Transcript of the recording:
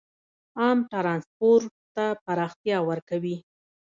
عام ټرانسپورټ ته پراختیا ورکوي.